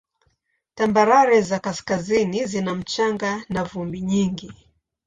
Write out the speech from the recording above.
Tambarare za kaskazini zina mchanga na vumbi nyingi.